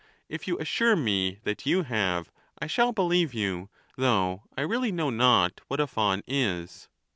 If you assure me that you have, I shall believe you, though I really know not what a Faun is.